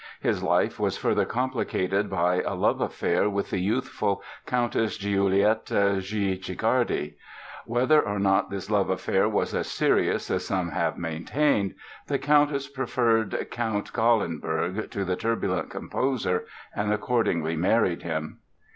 His life was further complicated by a love affair with the youthful Countess Giulietta Guicciardi. Whether or not this love affair was as serious as some have maintained, the Countess preferred Count Gallenberg to the turbulent composer and accordingly married him.